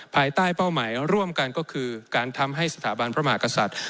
ภายใต้เป้าหมายร่วมกันก็คือการทำให้สถาบันพระมหากษัตริย์